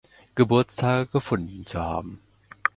Geburtstage gefunden zu haben.